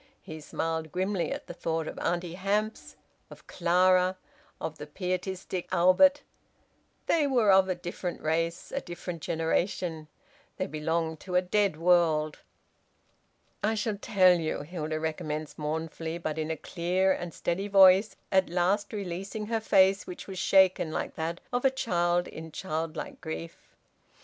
He smiled grimly at the thought of Auntie Hamps, of Clara, of the pietistic Albert! They were of a different race, a different generation! They belonged to a dead world!) "I shall tell you," Hilda recommenced mournfully, but in a clear and steady voice, at last releasing her face, which was shaken like that of a child in childlike grief.